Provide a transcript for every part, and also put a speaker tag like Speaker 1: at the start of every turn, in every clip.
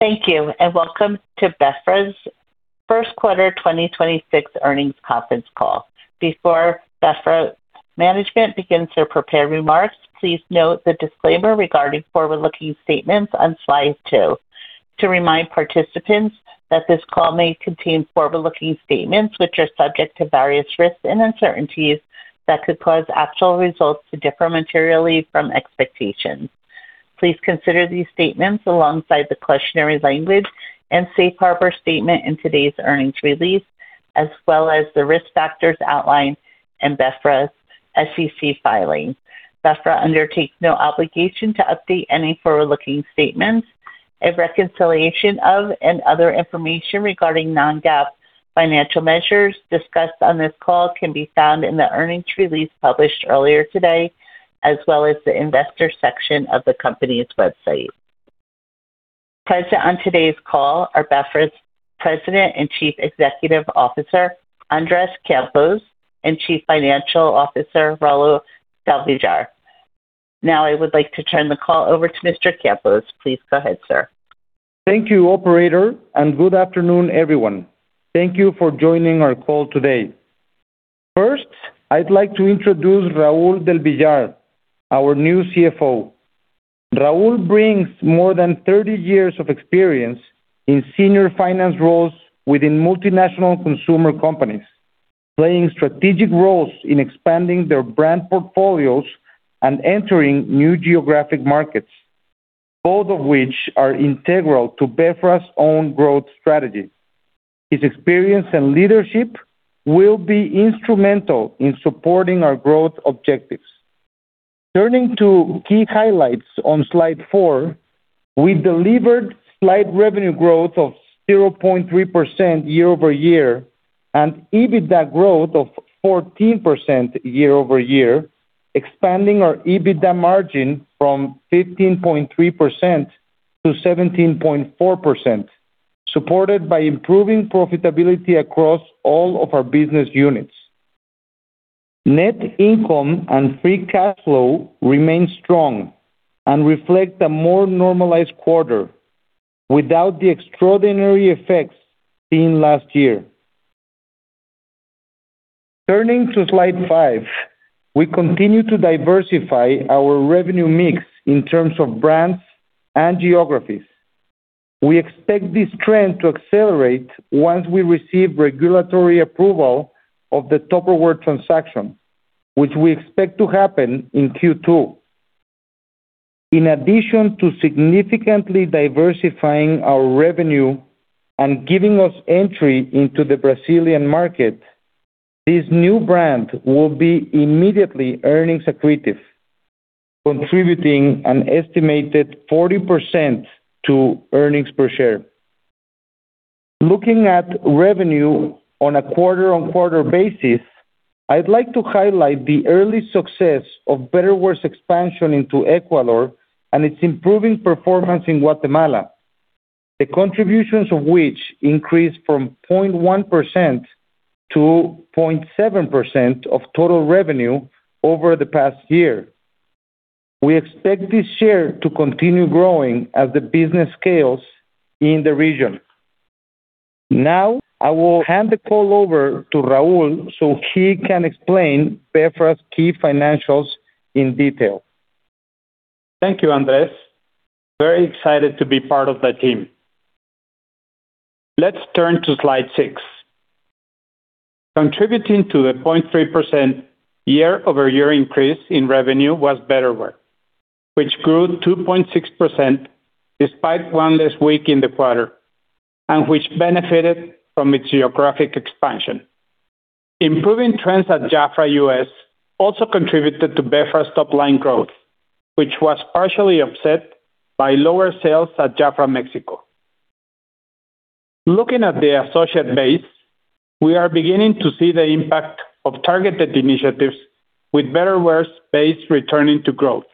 Speaker 1: Thank you, and welcome to BeFra's Q1 2026 Earnings Conference Call. Before BeFra management begins their prepared remarks, please note the disclaimer regarding forward-looking statements on slide two. To remind participants that this call may contain forward-looking statements, which are subject to various risks and uncertainties that could cause actual results to differ materially from expectations. Please consider these statements alongside the cautionary language and safe harbor statement in today's earnings release, as well as the risk factors outlined in BeFra's SEC filings. BeFra undertakes no obligation to update any forward-looking statements. A reconciliation of, and other information regarding non-GAAP financial measures discussed on this call can be found in the earnings release published earlier today, as well as the investor section of the company's website. Present on today's call are BeFra's President and Chief Executive Officer, Andrés Campos, and Chief Financial Officer, Raúl del Villar. Now I would like to turn the call over to Mr. Andrés Campos. Please go ahead, sir.
Speaker 2: Thank you, operator, and good afternoon, everyone. Thank you for joining our call today. First, I'd like to introduce Raúl del Villar, our new CFO. Raúl brings more than 30 years of experience in senior finance roles within multinational consumer companies, playing strategic roles in expanding their brand portfolios and entering new geographic markets, both of which are integral to BeFra's own growth strategy. His experience and leadership will be instrumental in supporting our growth objectives. Turning to key highlights on slide four, we delivered slight revenue growth of 0.3% year-over-year and EBITDA growth of 14% year-over-year, expanding our EBITDA margin from 15.3%-17.4%, supported by improving profitability across all of our business units. Net income and free cash flow remain strong and reflect a more normalized quarter without the extraordinary effects seen last year. Turning to slide five, we continue to diversify our revenue mix in terms of brands and geographies. We expect this trend to accelerate once we receive regulatory approval of the Tupperware transaction, which we expect to happen in Q2. In addition to significantly diversifying our revenue and giving us entry into the Brazilian market, this new brand will be immediately earnings accretive, contributing an estimated 40% to earnings per share. Looking at revenue on a quarter-on-quarter basis, I'd like to highlight the early success of Betterware's expansion into Ecuador and its improving performance in Guatemala, the contributions of which increased from 0.1%-0.7% of total revenue over the past year. We expect this share to continue growing as the business scales in the region. Now, I will hand the call over to Raúl so he can explain BeFra's key financials in detail.
Speaker 3: Thank you, Andrés. Very excited to be part of the team. Let's turn to slide six. Contributing to the 0.3% year-over-year increase in revenue was Betterware, which grew 2.6% despite one less week in the quarter, and which benefited from its geographic expansion. Improving trends at Jafra US also contributed to BeFra's top-line growth, which was partially offset by lower sales at Jafra Mexico. Looking at the associate base, we are beginning to see the impact of targeted initiatives with Betterware's base returning to growth.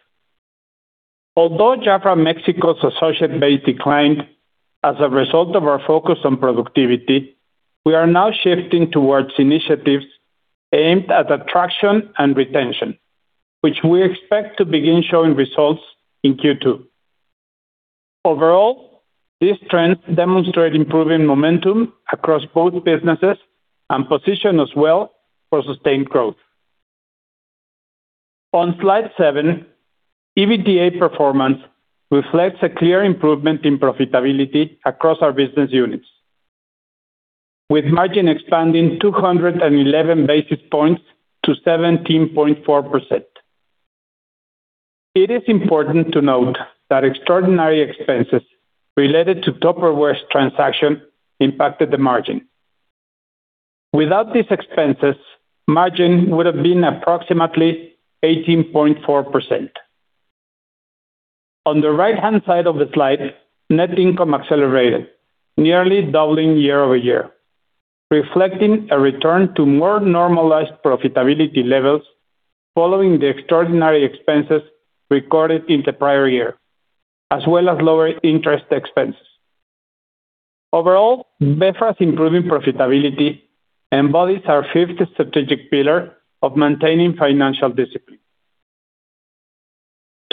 Speaker 3: Although Jafra Mexico's associate base declined as a result of our focus on productivity, we are now shifting towards initiatives aimed at attraction and retention, which we expect to begin showing results in Q2. Overall, these trends demonstrate improving momentum across both businesses and position us well for sustained growth. On slide seven, EBITDA performance reflects a clear improvement in profitability across our business units, with margin expanding 211 basis points to 17.4%. It is important to note that extraordinary expenses related to Tupperware's transaction impacted the margin. Without these expenses, margin would have been approximately 18.4%. On the right-hand side of the slide, net income accelerated, nearly doubling year-over-year, reflecting a return to more normalized profitability levels following the extraordinary expenses recorded in the prior year, as well as lower interest expenses. Overall, BeFra's improving profitability embodies our fifth strategic pillar of maintaining financial discipline.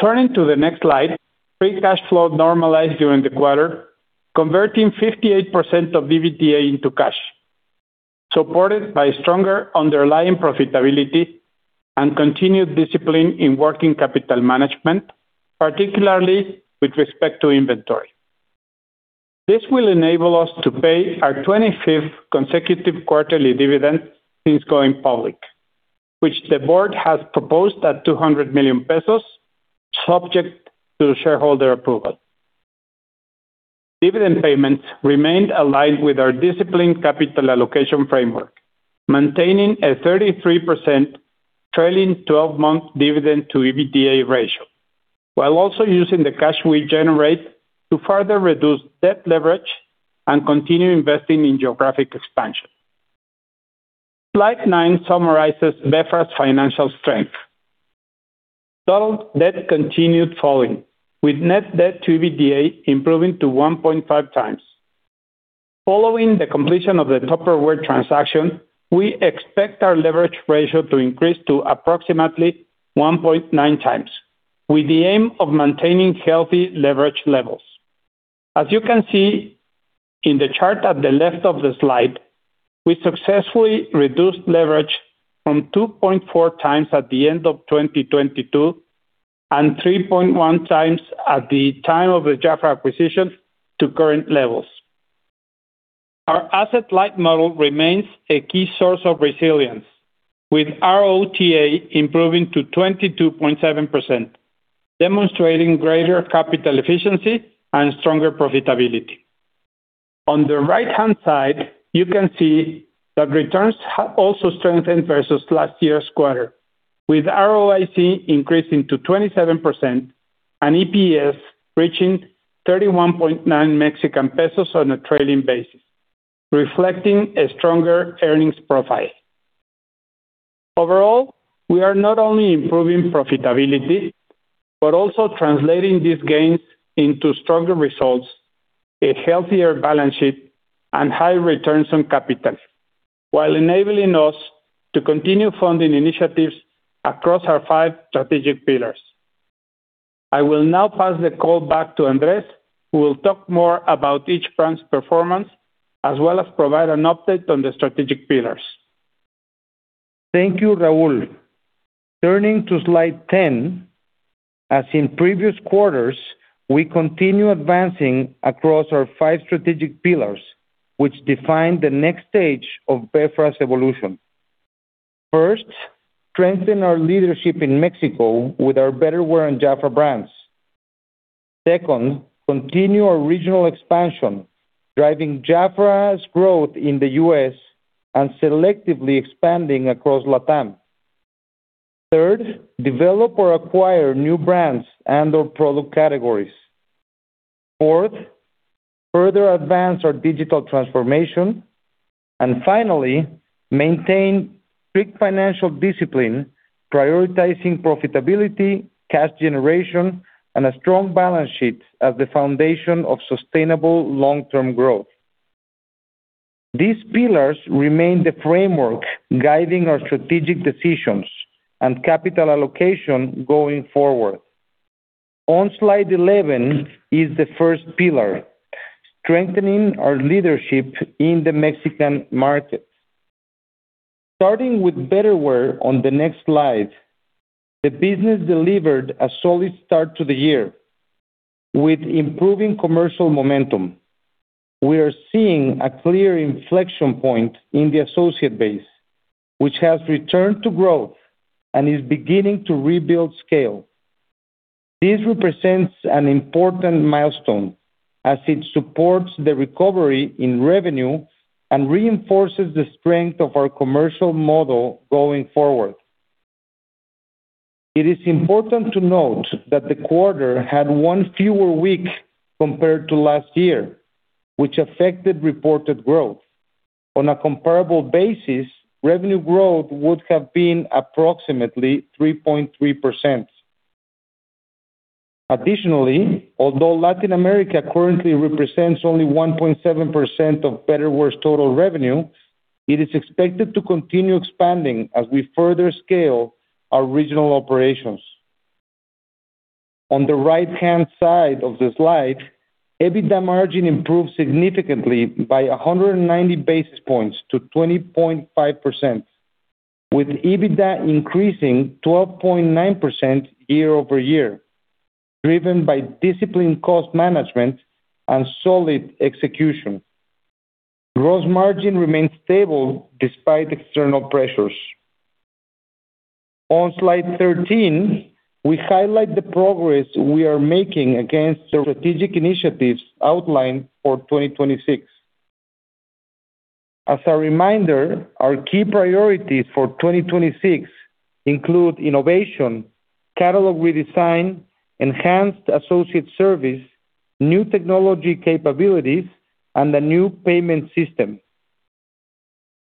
Speaker 3: Turning to the next slide, free cash flow normalized during the quarter, converting 58% of EBITDA into cash, supported by stronger underlying profitability and continued discipline in working capital management, particularly with respect to inventory. This will enable us to pay our 25th consecutive quarterly dividend since going public, which the board has proposed at 200 million pesos, subject to shareholder approval. Dividend payments remained aligned with our disciplined capital allocation framework, maintaining a 33% trailing 12-month dividend to EBITDA ratio, while also using the cash we generate to further reduce debt leverage and continue investing in geographic expansion. Slide nine summarizes BeFra's financial strength. Total debt continued falling, with net debt to EBITDA improving to 1.5x. Following the completion of the Tupperware transaction, we expect our leverage ratio to increase to approximately 1.9x, with the aim of maintaining healthy leverage levels. As you can see in the chart at the left of the slide, we successfully reduced leverage from 2.4x at the end of 2022 and 3.1x at the time of the Jafra acquisition to current levels. Our asset-light model remains a key source of resilience, with ROTA improving to 22.7%, demonstrating greater capital efficiency and stronger profitability. On the right-hand side, you can see that returns have also strengthened versus last year's quarter, with ROIC increasing to 27% and EPS reaching 31.9 Mexican pesos on a trailing basis, reflecting a stronger earnings profile. Overall, we are not only improving profitability, but also translating these gains into stronger results, a healthier balance sheet, and high returns on capital while enabling us to continue funding initiatives across our five strategic pillars. I will now pass the call back to Andrés, who will talk more about each brand's performance, as well as provide an update on the strategic pillars.
Speaker 2: Thank you, Raúl. Turning to slide 10, as in previous quarters, we continue advancing across our five strategic pillars, which define the next stage of BeFra's evolution. First, strengthen our leadership in Mexico with our Betterware and Jafra brands. Second, continue our regional expansion, driving Jafra's growth in the U.S. and selectively expanding across LATAM. Third, develop or acquire new brands and/or product categories. Fourth, further advance our digital transformation. Finally, maintain strict financial discipline, prioritizing profitability, cash generation, and a strong balance sheet as the foundation of sustainable long-term growth. These pillars remain the framework guiding our strategic decisions and capital allocation going forward. On slide 11 is the first pillar, strengthening our leadership in the Mexican market. Starting with Betterware on the next slide, the business delivered a solid start to the year with improving commercial momentum. We are seeing a clear inflection point in the associate base, which has returned to growth and is beginning to rebuild scale. This represents an important milestone as it supports the recovery in revenue and reinforces the strength of our commercial model going forward. It is important to note that the quarter had one fewer week compared to last year, which affected reported growth. On a comparable basis, revenue growth would have been approximately 3.3%. Additionally, although Latin America currently represents only 1.7% of Betterware's total revenue, it is expected to continue expanding as we further scale our regional operations. On the right-hand side of the slide, EBITDA margin improved significantly by 190 basis points to 20.5%, with EBITDA increasing 12.9% year-over-year, driven by disciplined cost management and solid execution. Gross margin remained stable despite external pressures. On slide 13, we highlight the progress we are making against the strategic initiatives outlined for 2026. As a reminder, our key priorities for 2026 include innovation, catalog redesign, enhanced associate service, new technology capabilities, and a new payment system.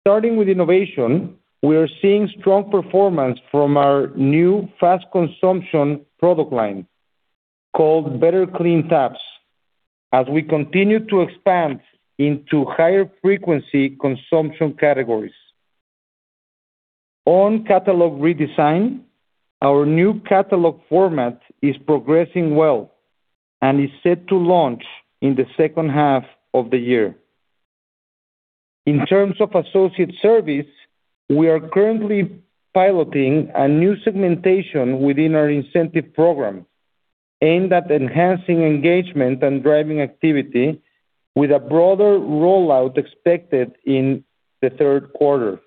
Speaker 2: Starting with innovation, we are seeing strong performance from our new fast consumption product line called Better Klin Tabs as we continue to expand into higher frequency consumption categories. On catalog redesign, our new catalog format is progressing well and is set to launch in the second half of the year. In terms of associate service, we are currently piloting a new segmentation within our incentive program aimed at enhancing engagement and driving activity with a broader rollout expected in the Q3.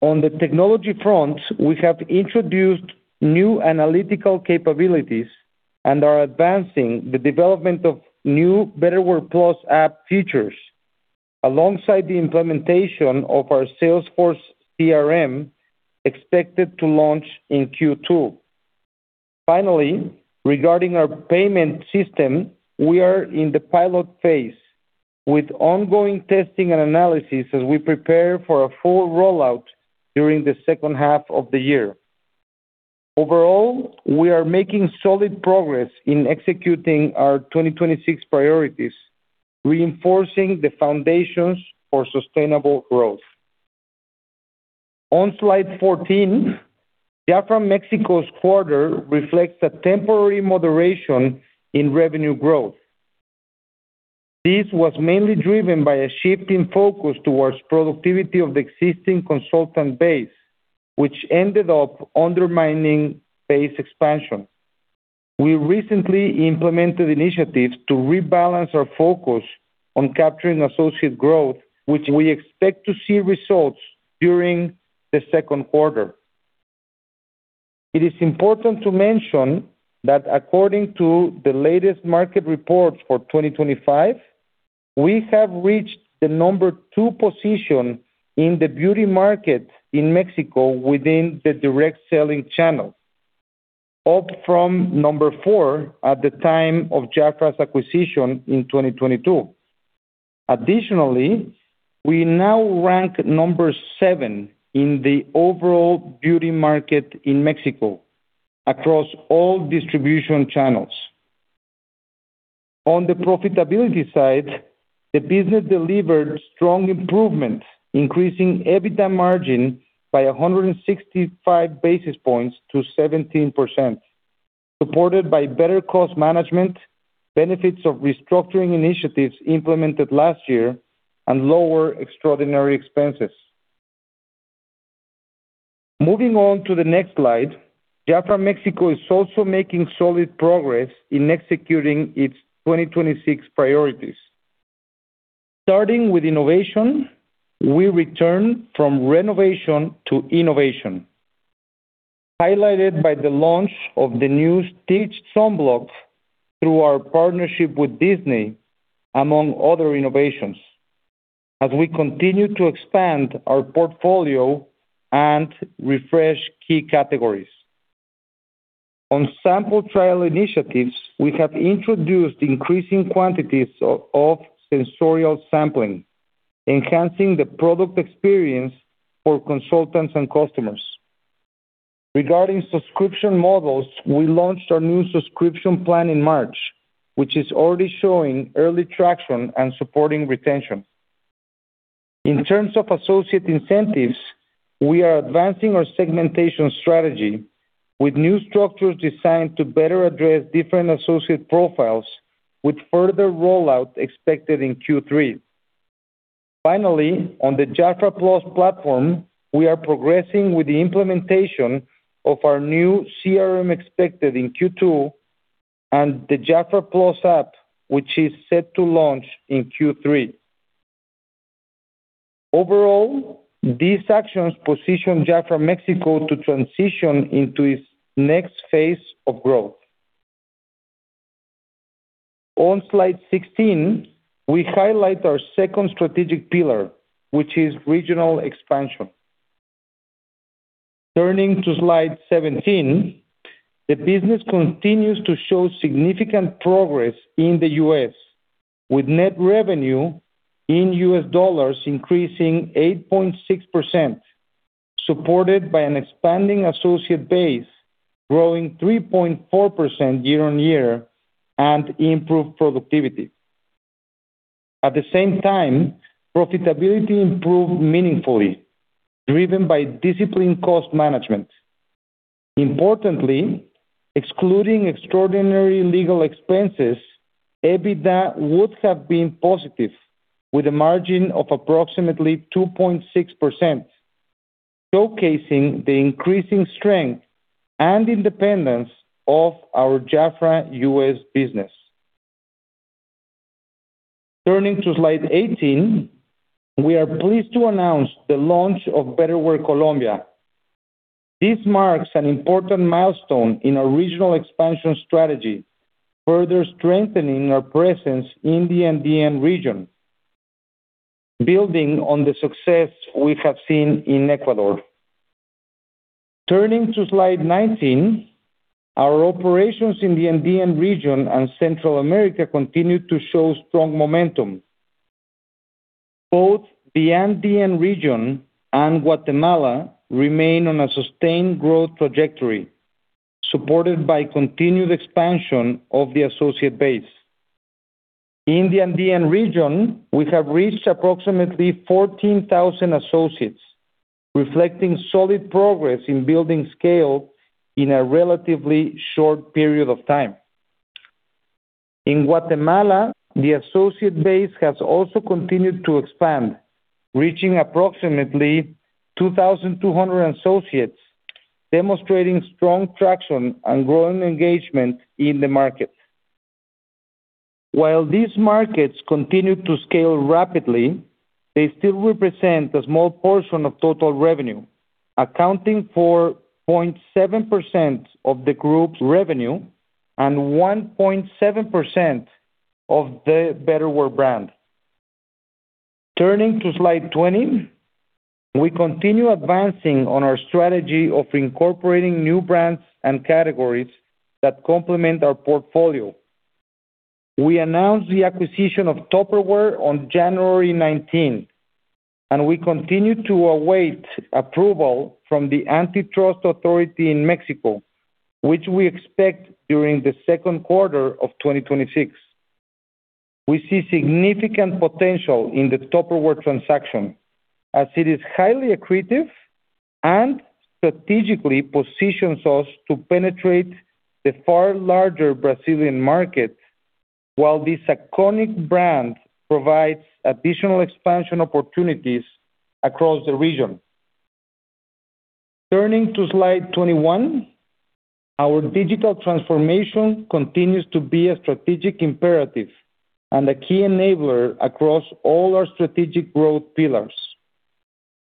Speaker 2: On the technology front, we have introduced new analytical capabilities and are advancing the development of new Betterware+ app features alongside the implementation of our Salesforce CRM, expected to launch in Q2. Finally, regarding our payment system, we are in the pilot phase with ongoing testing and analysis as we prepare for a full rollout during the second half of the year. Overall, we are making solid progress in executing our 2026 priorities, reinforcing the foundations for sustainable growth. On slide 14, Jafra Mexico's quarter reflects a temporary moderation in revenue growth. This was mainly driven by a shift in focus towards productivity of the existing consultant base, which ended up undermining base expansion. We recently implemented initiatives to rebalance our focus on capturing associate growth, which we expect to see results during the Q2. It is important to mention that according to the latest market reports for 2025, we have reached the number two position in the beauty market in Mexico within the direct selling channel, up from number four at the time of Jafra's acquisition in 2022. Additionally, we now rank number seven in the overall beauty market in Mexico across all distribution channels. On the profitability side, the business delivered strong improvement, increasing EBITDA margin by 165 basis points to 17%, supported by better cost management, benefits of restructuring initiatives implemented last year, and lower extraordinary expenses. Moving on to the next slide, Jafra Mexico is also making solid progress in executing its 2026 priorities. Starting with innovation, we return from renovation to innovation, highlighted by the launch of the new Stitch sunblock through our partnership with Disney, among other innovations, as we continue to expand our portfolio and refresh key categories. On sample trial initiatives, we have introduced increasing quantities of sensorial sampling, enhancing the product experience for consultants and customers. Regarding subscription models, we launched our new subscription plan in March, which is already showing early traction and supporting retention. In terms of associate incentives, we are advancing our segmentation strategy with new structures designed to better address different associate profiles with further rollout expected in Q3. Finally, on the Jafra Plus platform, we are progressing with the implementation of our new CRM expected in Q2 and the Jafra Plus app, which is set to launch in Q3. Overall, these actions position Jafra Mexico to transition into its next phase of growth. On slide 16, we highlight our second strategic pillar, which is regional expansion. Turning to slide 17, the business continues to show significant progress in the U.S., with net revenue in U.S. dollars increasing 8.6%, supported by an expanding associate base growing 3.4% year-on-year and improved productivity. At the same time, profitability improved meaningfully, driven by disciplined cost management. Importantly, excluding extraordinary legal expenses, EBITDA would have been positive with a margin of approximately 2.6%, showcasing the increasing strength and independence of our Jafra U.S. business. Turning to slide 18, we are pleased to announce the launch of Betterware Colombia. This marks an important milestone in our regional expansion strategy, further strengthening our presence in the Andean region, building on the success we have seen in Ecuador. Turning to slide 19, our operations in the Andean region and Central America continue to show strong momentum. Both the Andean region and Guatemala remain on a sustained growth trajectory, supported by continued expansion of the associate base. In the Andean region, we have reached approximately 14,000 associates, reflecting solid progress in building scale in a relatively short period of time. In Guatemala, the associate base has also continued to expand, reaching approximately 2,200 associates, demonstrating strong traction and growing engagement in the market. While these markets continue to scale rapidly, they still represent a small portion of total revenue, accounting for 0.7% of the group's revenue and 1.7% of the Betterware brand. Turning to slide 20, we continue advancing on our strategy of incorporating new brands and categories that complement our portfolio. We announced the acquisition of Tupperware on January 19, and we continue to await approval from the Antitrust Authority in Mexico, which we expect during the Q2 of 2026. We see significant potential in the Tupperware transaction as it is highly accretive and strategically positions us to penetrate the far larger Brazilian market, while this iconic brand provides additional expansion opportunities across the region. Turning to slide 21, our digital transformation continues to be a strategic imperative and a key enabler across all our strategic growth pillars.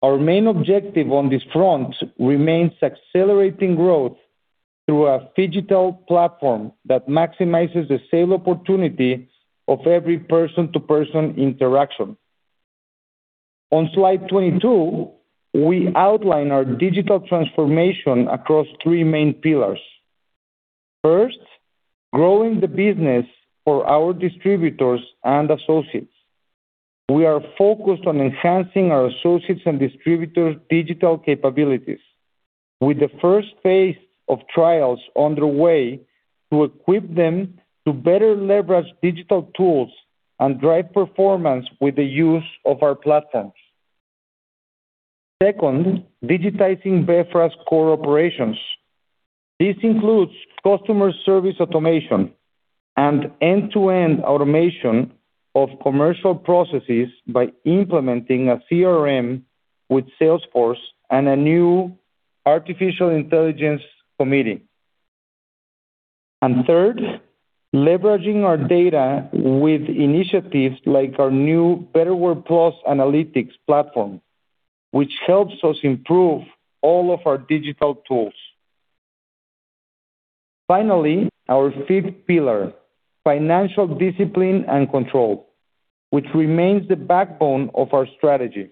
Speaker 2: Our main objective on this front remains accelerating growth through a digital platform that maximizes the sale opportunity of every person-to-person interaction. On slide 22, we outline our digital transformation across three main pillars. First, growing the business for our distributors and associates. We are focused on enhancing our associates and distributors' digital capabilities with the first phase of trials underway to equip them to better leverage digital tools and drive performance with the use of our platforms. Second, digitizing BeFra's core operations. This includes customer service automation and end-to-end automation of commercial processes by implementing a CRM with Salesforce and a new artificial intelligence committee. Third, leveraging our data with initiatives like our new Betterware Plus analytics platform, which helps us improve all of our digital tools. Finally, our fifth pillar, financial discipline and control, which remains the backbone of our strategy.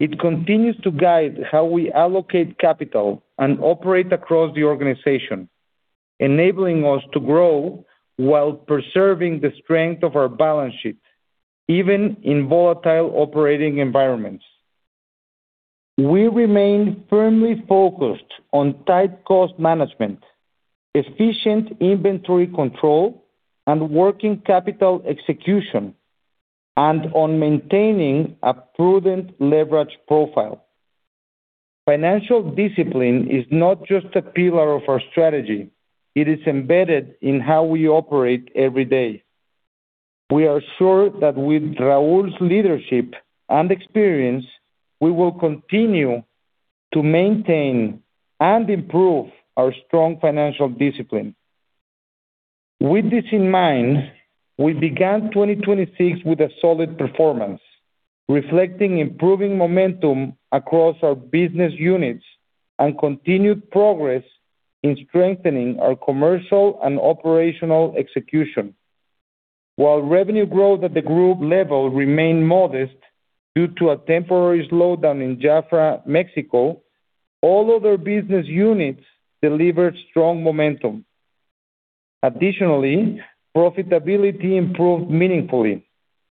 Speaker 2: It continues to guide how we allocate capital and operate across the organization, enabling us to grow while preserving the strength of our balance sheet, even in volatile operating environments. We remain firmly focused on tight cost management, efficient inventory control, and working capital execution, and on maintaining a prudent leverage profile. Financial discipline is not just a pillar of our strategy. It is embedded in how we operate every day. We are sure that with Raúl's leadership and experience, we will continue to maintain and improve our strong financial discipline. With this in mind, we began 2026 with a solid performance, reflecting improving momentum across our business units and continued progress in strengthening our commercial and operational execution. While revenue growth at the group level remained modest due to a temporary slowdown in Jafra Mexico, all other business units delivered strong momentum. Additionally, profitability improved meaningfully,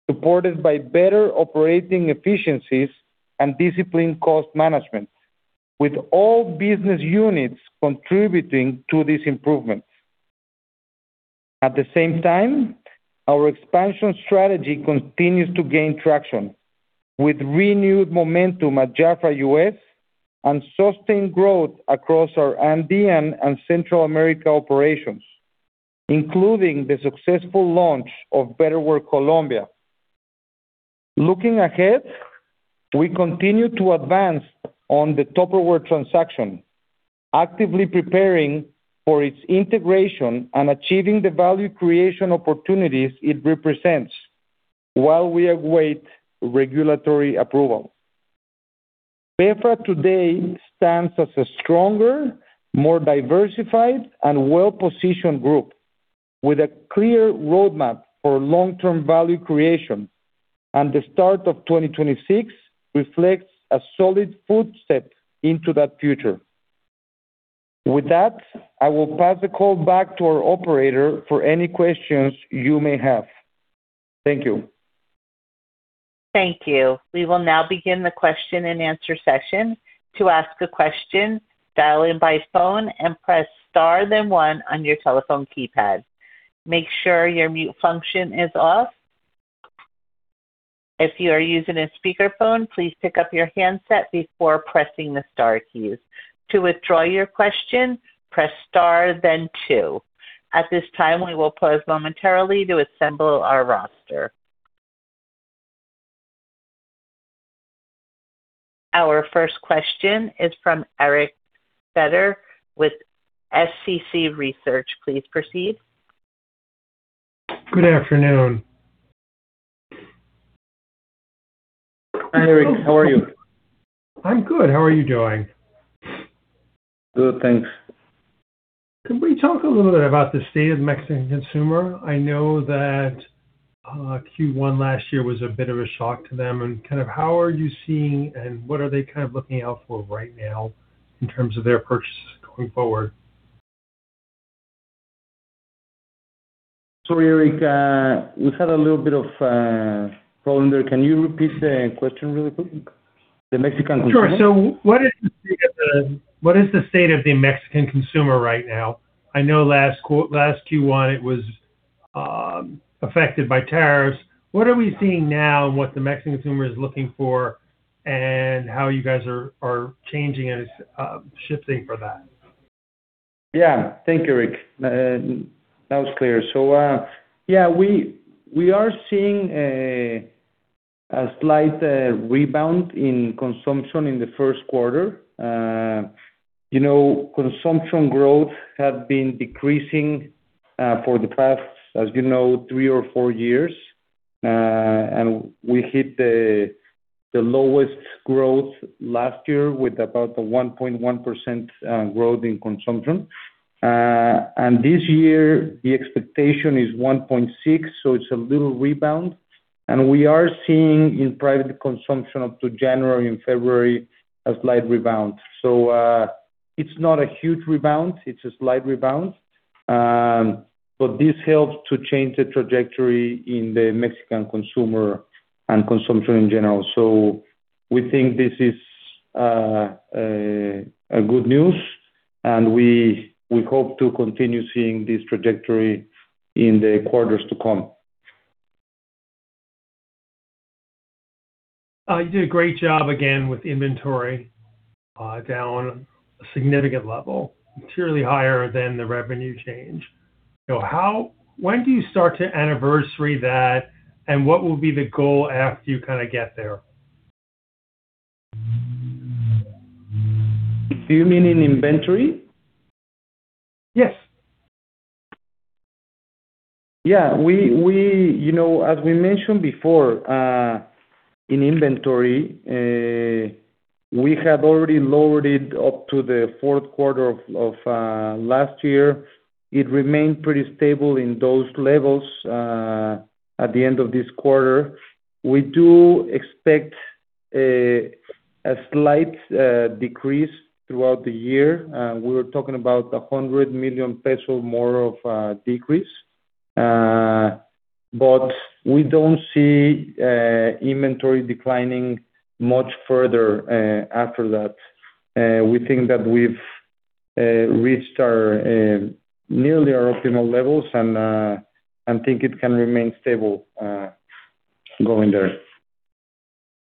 Speaker 2: supported by better operating efficiencies and disciplined cost management, with all business units contributing to this improvement. At the same time, our expansion strategy continues to gain traction with renewed momentum at Jafra US and sustained growth across our Andean and Central America operations, including the successful launch of Betterware Colombia. Looking ahead, we continue to advance on the Tupperware transaction, actively preparing for its integration and achieving the value creation opportunities it represents while we await regulatory approval. BeFra today stands as a stronger, more diversified, and well-positioned group with a clear roadmap for long-term value creation, and the start of 2026 reflects a solid footstep into that future. With that, I will pass the call back to our operator for any questions you may have. Thank you.
Speaker 1: Thank you. We will now begin the question and answer session. To ask a question, dial in by phone and press star then one on your telephone keypad. Make sure your mute function is off. If you are using a speakerphone, please pick up your handset before pressing the star keys. To withdraw your question, press star then two. At this time, we will pause momentarily to assemble our roster. Our first question is from Eric Beder with SCC Research. Please proceed.
Speaker 4: Good afternoon.
Speaker 2: Hi, Eric. How are you?
Speaker 4: I'm good. How are you doing?
Speaker 2: Good, thanks.
Speaker 4: Could we talk a little bit about the state of the Mexican consumer? I know that Q1 last year was a bit of a shock to them, and how are you seeing, and what are they looking out for right now in terms of their purchases going forward?
Speaker 2: Sorry, Eric, we've had a little bit of a problem there. Can you repeat the question really quickly? The Mexican consumer?
Speaker 4: Sure. What is the state of the Mexican consumer right now? I know last Q1 it was affected by tariffs. What are we seeing now in what the Mexican consumer is looking for, and how you guys are changing and shifting for that?
Speaker 2: Yeah, thank you, Eric. That was clear. Yeah, we are seeing a slight rebound in consumption in the Q1. Consumption growth has been decreasing for the past, as you know, three or four years. We hit the lowest growth last year with about a 1.1% growth in consumption. This year, the expectation is 1.6%, so it's a little rebound, and we are seeing in private consumption up to January and February, a slight rebound. It's not a huge rebound, it's a slight rebound, but this helps to change the trajectory in the Mexican consumer and consumption in general. We think this is good news, and we hope to continue seeing this trajectory in the quarters to come.
Speaker 4: You did a great job again with inventory down a significant level, materially higher than the revenue change. When do you start to anniversary that, and what will be the goal after you get there?
Speaker 2: Do you mean in inventory?
Speaker 4: Yes.
Speaker 2: Yeah. As we mentioned before, in inventory, we had already lowered it up to the Q4 of last year. It remained pretty stable in those levels at the end of this quarter. We do expect a slight decrease throughout the year. We were talking about 100 million pesos more of a decrease. We don't see inventory declining much further after that. We think that we've reached nearly our optimal levels, and think it can remain stable going there.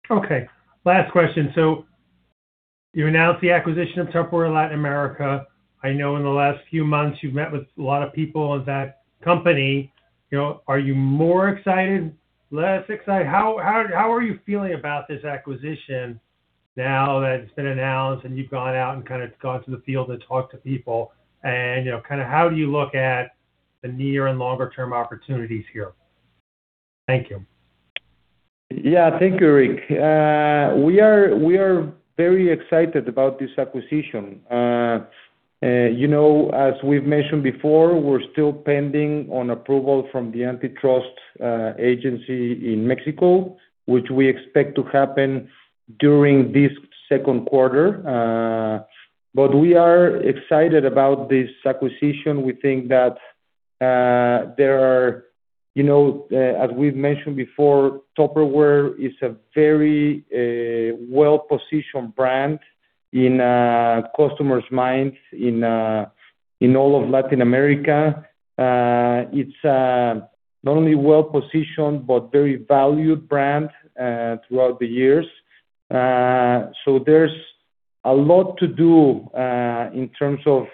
Speaker 4: Okay. Last question. You announced the acquisition of Tupperware Latin America. I know in the last few months, you've met with a lot of people in that company. Are you more excited, less excited? How are you feeling about this acquisition now that it's been announced and you've gone out and gone to the field to talk to people? How do you look at the near and longer term opportunities here? Thank you.
Speaker 2: Yeah. Thank you, Eric. We are very excited about this acquisition. As we've mentioned before, we're still pending on approval from the antitrust agency in Mexico, which we expect to happen during this Q2. We are excited about this acquisition. We think that there are, as we've mentioned before, Tupperware is a very well-positioned brand in customers' minds in all of Latin America. It's not only well-positioned but very valued brand throughout the years. There's a lot to do, in terms of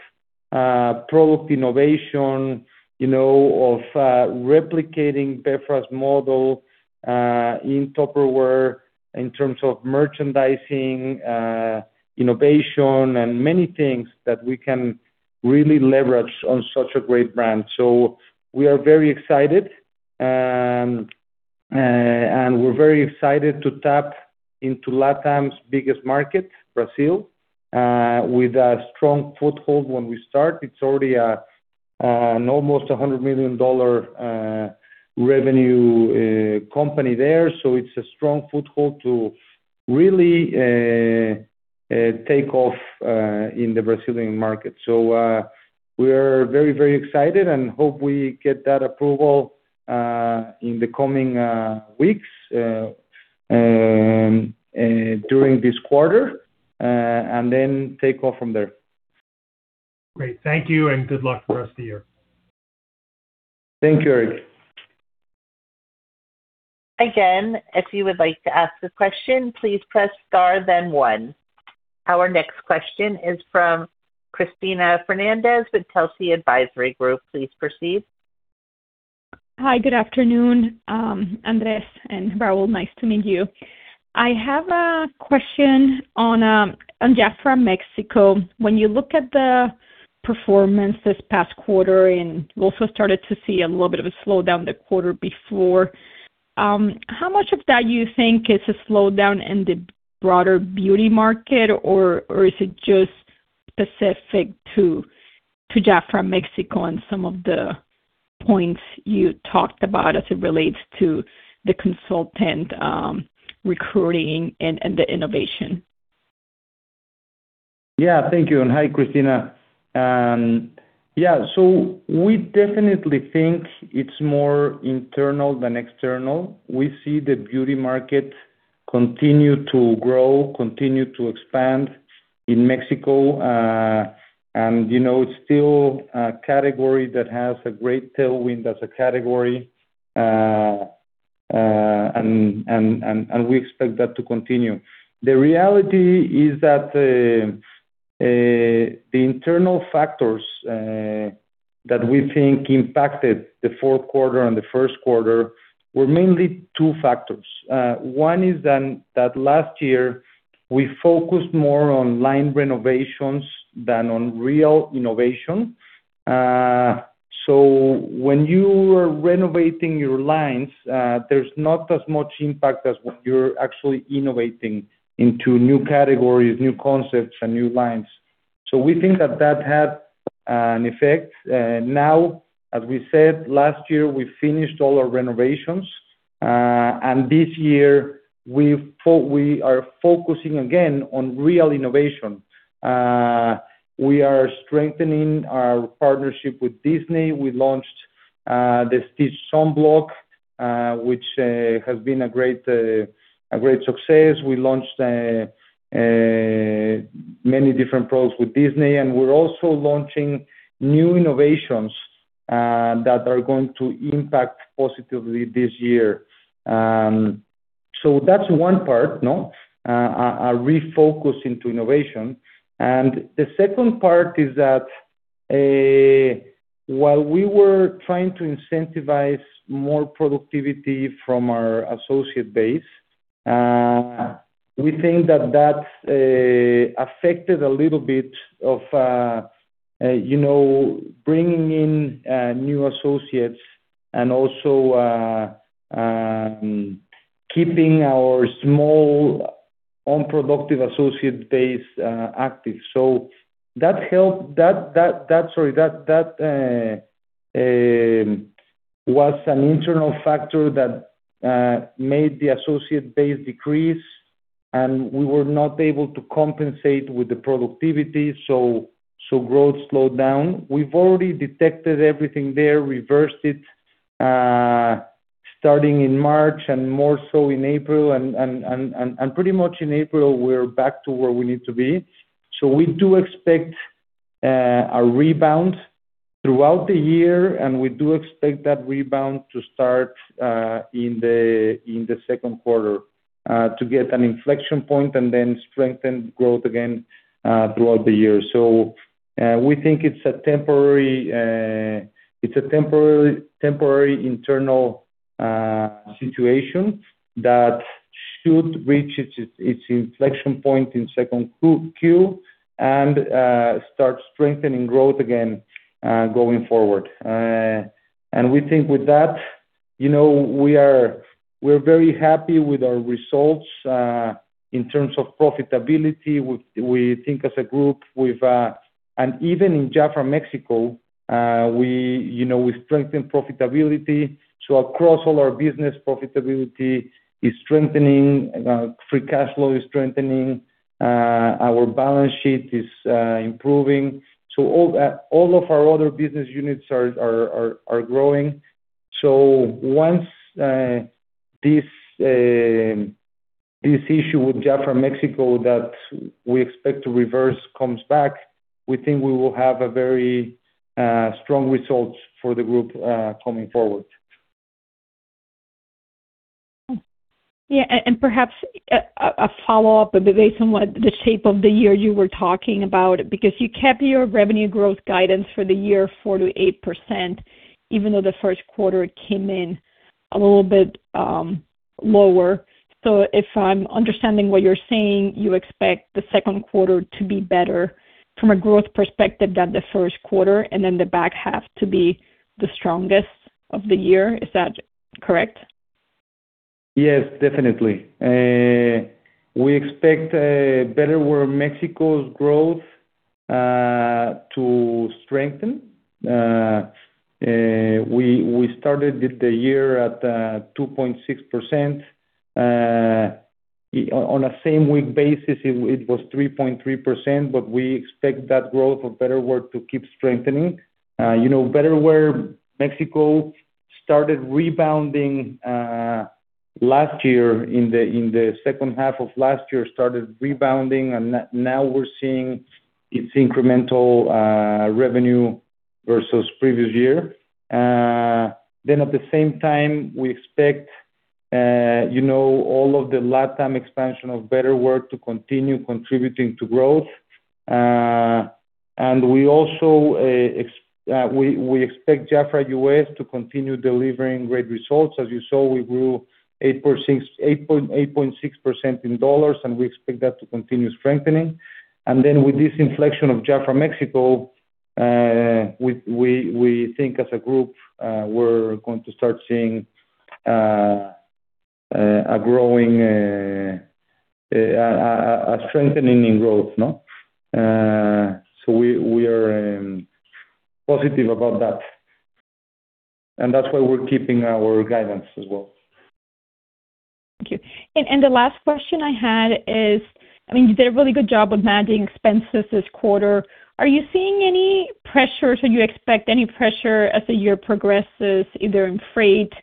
Speaker 2: product innovation, of replicating BeFra's model in Tupperware in terms of merchandising, innovation, and many things that we can really leverage on such a great brand. We are very excited. We're very excited to tap into LatAm's biggest market, Brazil, with a strong foothold when we start. It's already an almost $100 million revenue company there. It's a strong foothold to really take off in the Brazilian market. We are very, very excited and hope we get that approval in the coming weeks, during this quarter, and then take off from there.
Speaker 4: Great. Thank you, and good luck for rest of the year.
Speaker 2: Thank you, Eric.
Speaker 1: Again, if you would like to ask a question, please press star then one. Our next question is from Cristina Fernández with Telsey Advisory Group. Please proceed.
Speaker 5: Hi. Good afternoon, Andrés and Raúl. Nice to meet you. I have a question on Jafra Mexico. When you look at the performance this past quarter, and you also started to see a little bit of a slowdown the quarter before, how much of that you think is a slowdown in the broader beauty market, or is it just specific to Jafra Mexico and some of the points you talked about as it relates to the consultant recruiting and the innovation?
Speaker 2: Yeah. Thank you, and hi, Cristina. Yeah. We definitely think it's more internal than external. We see the beauty market continue to grow, continue to expand in Mexico. It's still a category that has a great tailwind as a category, and we expect that to continue. The reality is that the internal factors that we think impacted the Q4 and the Q1 were mainly two factors. One is that last year we focused more on line renovations than on real innovation. When you are renovating your lines, there's not as much impact as when you're actually innovating into new categories, new concepts, and new lines. We think that that had an effect. Now, as we said, last year, we finished all our renovations, and this year we are focusing again on real innovation. We are strengthening our partnership with Disney. We launched the Parasol Stitch, which has been a great success. We launched many different products with Disney, and we're also launching new innovations that are going to impact positively this year. That's one part, a refocus into innovation. The second part is that, while we were trying to incentivize more productivity from our associate base, we think that affected a little bit of bringing in new associates and also keeping our small unproductive associate base active. That was an internal factor that made the associate base decrease, and we were not able to compensate with the productivity, so growth slowed down. We've already detected everything there, reversed it, starting in March and more so in April. Pretty much in April, we're back to where we need to be. We do expect a rebound throughout the year, and we do expect that rebound to start in the Q2, to get an inflection point and then strengthen growth again, throughout the year. We think it's a temporary internal situation that should reach its inflection point in 2Q and start strengthening growth again going forward. We think with that, we're very happy with our results, in terms of profitability, we think as a group. Even in Jafra Mexico, we strengthened profitability, so across all our business, profitability is strengthening, free cash flow is strengthening. Our balance sheet is improving. All of our other business units are growing. Once this issue with Jafra Mexico that we expect to reverse comes back, we think we will have a very strong results for the group, coming forward.
Speaker 5: Yeah, and perhaps a follow-up, based on what the shape of the year you were talking about, because you kept your revenue growth guidance for the year 4%-8%, even though the Q1 came in a little bit lower. If I'm understanding what you're saying, you expect the Q2 to be better from a growth perspective than the Q1, and then the back half to be the strongest of the year. Is that correct?
Speaker 2: Yes, definitely. We expect Betterware Mexico's growth to strengthen. We started the year at 2.6%. On a same week basis, it was 3.3%, but we expect that growth of Betterware to keep strengthening. Betterware Mexico started rebounding in the second half of last year, and now we're seeing its incremental revenue versus previous year. At the same time, we expect all of the LatAm expansion of Betterware to continue contributing to growth. We expect Jafra US to continue delivering great results. As you saw, we grew 8.6% in dollars, and we expect that to continue strengthening. With this inflection of Jafra Mexico, we think as a group, we're going to start seeing a strengthening in growth. We are positive about that, and that's why we're keeping our guidance as well.
Speaker 5: Thank you. The last question I had is, you did a really good job of managing expenses this quarter. Are you seeing any pressures or you expect any pressure as the year progresses, either in freight,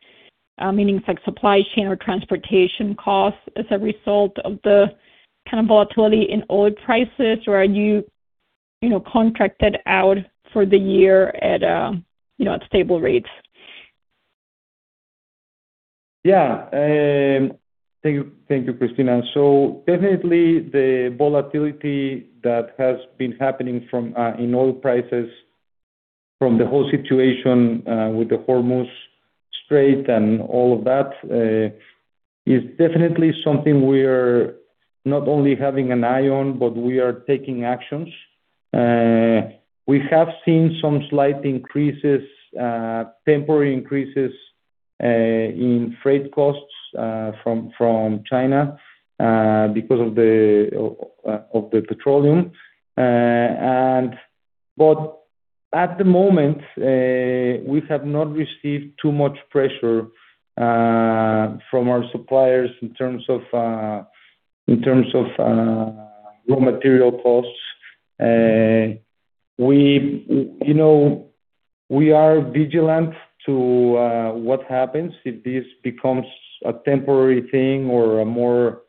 Speaker 5: meaning supply chain or transportation costs as a result of the kind of volatility in oil prices? Or are you contracted out for the year at stable rates?
Speaker 2: Yeah. Thank you, Cristina. Definitely the volatility that has been happening in oil prices from the whole situation with the Strait of Hormuz and all of that is definitely something we're not only having an eye on, but we are taking actions. We have seen some slight temporary increases in freight costs from China because of the petroleum. But at the moment, we have not received too much pressure from our suppliers in terms of raw material costs. We are vigilant to what happens if this becomes a temporary thing or a more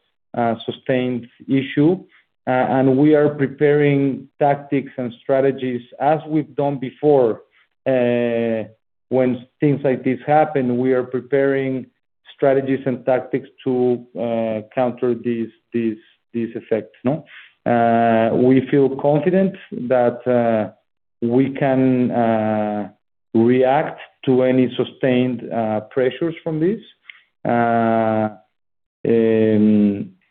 Speaker 2: sustained issue, and we are preparing tactics and strategies as we've done before. When things like this happen, we are preparing strategies and tactics to counter these effects. We feel confident that we can react to any sustained pressures from this.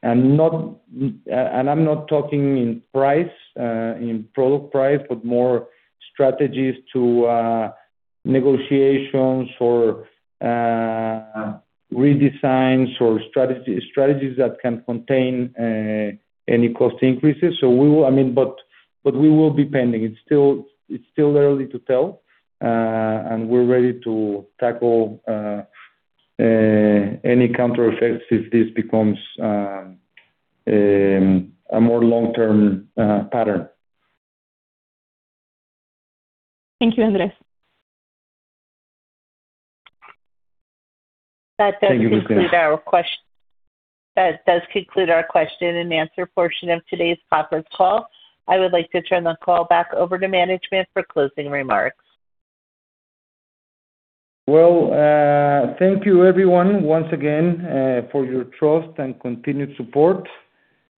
Speaker 2: I'm not talking in product price, but more strategies to negotiations or redesigns or strategies that can contain any cost increases. We will be pending. It's still early to tell, and we're ready to tackle any counter effects if this becomes a more long-term pattern.
Speaker 5: Thank you, Andrés.
Speaker 2: Thank you, Cristina.
Speaker 1: That does conclude our question and answer portion of today's conference call. I would like to turn the call back over to management for closing remarks.
Speaker 2: Well, thank you everyone once again for your trust and continued support,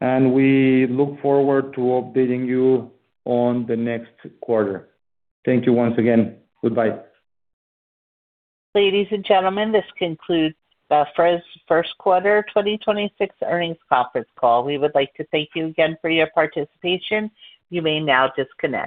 Speaker 2: and we look forward to updating you on the next quarter. Thank you once again. Goodbye.
Speaker 1: Ladies and gentlemen, this concludes BeFra's Q1 2026 earnings conference call. We would like to thank you again for your participation. You may now disconnect.